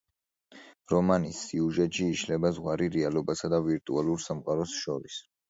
რომანის სიუჟეტში იშლება ზღვარი რეალობასა და ვირტუალურ სამყაროს შორის.